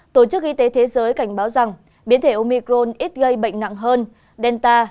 tổ chức y tế thế giới cảnh báo rằng biến thể omicron ít gây bệnh nặng hơn delta